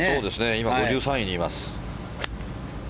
今、５３位にいます。